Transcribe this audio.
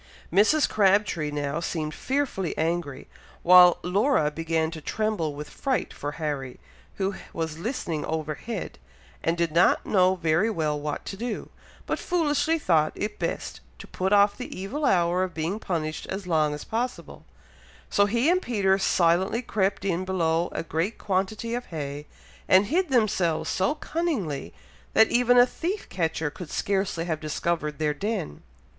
Mrs. Crabtree now seemed fearfully angry, while Laura began to tremble with fright for Harry, who was listening overhead, and did not know very well what to do, but foolishly thought it best to put off the evil hour of being punished as long as possible; so he and Peter silently crept in below a great quantity of hay, and hid themselves so cunningly, that even a thief catcher could scarcely have discovered their den.